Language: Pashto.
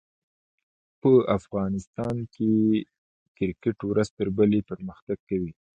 په افغانستان کښي کرکټ ورځ تر بلي پرمختګ کوي.